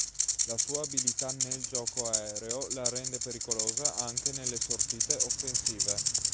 La sua abilità nel gioco aereo la rende pericolosa anche nelle sortite offensive.